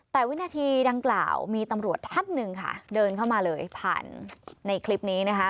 แต่วินาทีดังกล่าวมีตำรวจท่านหนึ่งค่ะเดินเข้ามาเลยผ่านในคลิปนี้นะคะ